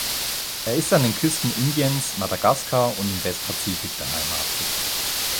Er ist an den Küsten Indiens, Madagaskar und im Westpazifik beheimatet.